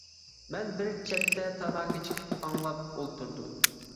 مەن بىر چەتتە تاماكا چېكىپ ئاڭلاپ ئولتۇردۇم.